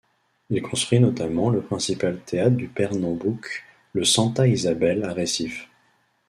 Il construit notamment le principal théâtre du Pernambouc, le Santa Isabel à Recife.